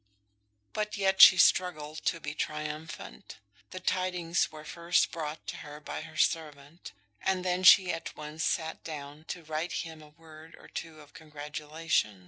But yet she struggled to be triumphant. The tidings were first brought to her by her servant, and then she at once sat down to write him a word or two of congratulation.